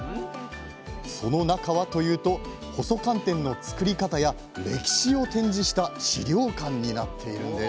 その中はというと細寒天の作り方や歴史を展示した資料館になっているんです。